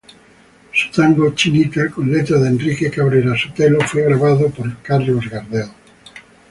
Su tango "Chinita", con letra de Enrique Cabrera Sotelo fue grabado por Carlos Gardel.